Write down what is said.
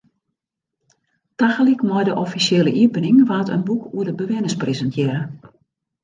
Tagelyk mei de offisjele iepening waard in boek oer de bewenners presintearre.